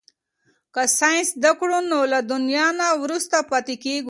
که ساینس زده کړو نو له دنیا نه وروسته پاتې کیږو.